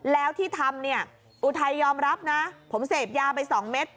แล้วที่ทำเนี่ยอุทัยยอมรับนะผมเสพยาไป๒เม็ด